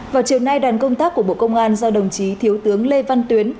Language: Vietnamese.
vào chiều nay đoàn công tác của bộ công an do đồng chí thiếu tướng lê văn tuyến